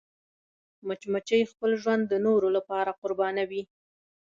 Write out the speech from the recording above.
مچمچۍ خپل ژوند د نورو لپاره قربانوي